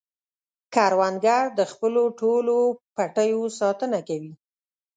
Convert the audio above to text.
کروندګر د خپلو ټولو پټیو ساتنه کوي